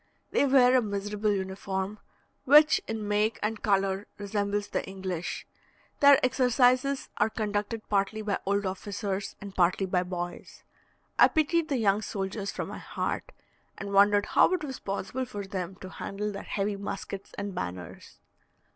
They wear a miserable uniform, which in make and colour resembles the English; their exercises are conducted partly by old officers and partly by boys. I pitied the young soldiers from my heart, and wondered how it was possible for them to handle their heavy muskets and banners.